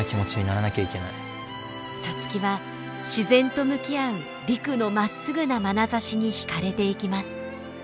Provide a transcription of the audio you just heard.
皐月は自然と向き合う陸のまっすぐなまなざしに惹かれていきます。